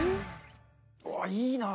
うわーいいなあ！